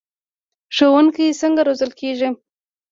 ښوونکي څنګه روزل کیږي؟